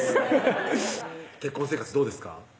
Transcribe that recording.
結婚生活どうですか？